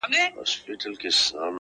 څلوېښتم کال دی~